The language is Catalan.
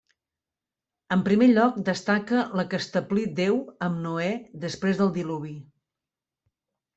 En primer lloc destaca la que establí Déu amb Noè després del diluvi.